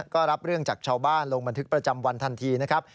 ก็รับเรื่องจากชาวบ้านลงบันทึกประจำวันทันทีนะครับ